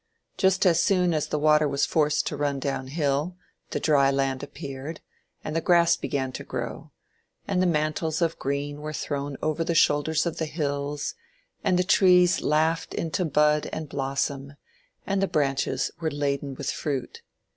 Just as soon as the water was forced to run down hill, the dry land appeared, and the grass began to grow, and the mantles of green were thrown over the shoulders of the hills, and the trees laughed into bud and blossom, and the branches were laden with fruit.